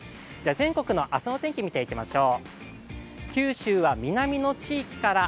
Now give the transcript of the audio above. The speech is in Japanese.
全国の明日の天気見ていきましょう。